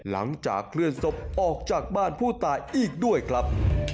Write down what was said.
หลังจากเคลื่อนศพออกจากบ้านผู้ตายอีกด้วยครับ